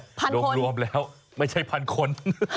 พันคนรวมแล้วไม่ใช่พันคน